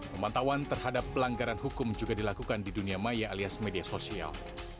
pemantauan terhadap pelanggaran hukum juga dilakukan di dunia maya alias media sosial